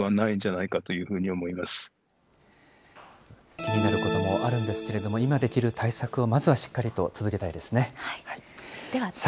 気になることもあるんですけれども、今できる対策をまずはしっかりと続けたいですね。